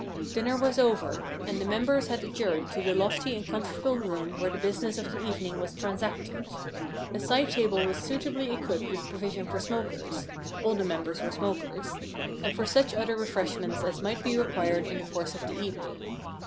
Dinner was over, and the members had adjourned to the lofty and comfortable room where the business of the evening was transacted. A side table was suitably equipped with provision for smokers —all the members were smokers — and for such other refreshments as might be required in the course of the evening.